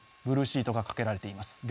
ブルーシートがかけられています。